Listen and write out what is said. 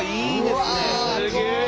すげえ！